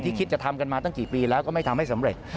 คิดจะทำกันมาตั้งกี่ปีแล้วก็ไม่ทำให้สำเร็จ